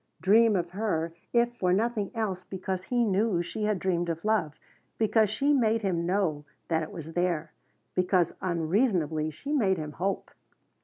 Dream of her, if for nothing else, because he knew she had dreamed of love; because she made him know that it was there, because, unreasoningly, she made him hope.